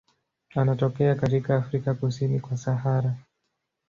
Anatokea katika Afrika kusini kwa Sahara.